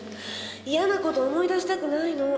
嫌な事思い出したくないの。